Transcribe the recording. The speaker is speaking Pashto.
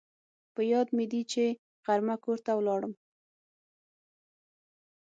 په یاد مې دي چې غرمه کور ته ولاړم